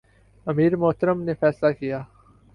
امیر محترم نے فیصلہ کیا